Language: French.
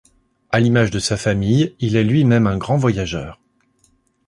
À l'image de sa famille, il est lui-même un grand voyageur.